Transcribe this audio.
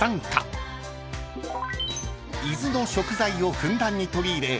［伊豆の食材をふんだんに取り入れ